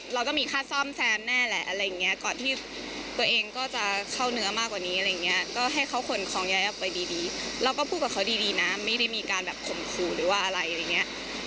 แล้วก็พูดกับเขาดีนะไม่ได้มีการแบบขหมคลุหรือว่าอะไรอะไรเงี้ย